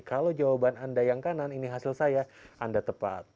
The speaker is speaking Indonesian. kalau jawaban anda yang kanan ini hasil saya anda tepat